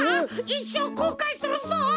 いっしょうこうかいするぞ！